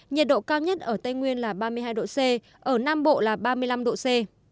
nhiệt độ cao nhất ở tây nguyên là ba mươi hai độ c ở nam bộ là ba mươi năm độ c